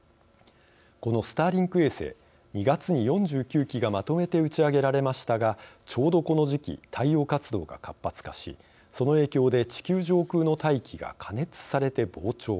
このスターリンク衛星２月に４９機がまとめて打ち上げられましたがちょうどこの時期太陽活動が活発化しその影響で地球上空の大気が加熱されて膨張。